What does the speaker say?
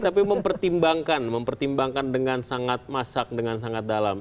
tapi mempertimbangkan mempertimbangkan dengan sangat masak dengan sangat dalam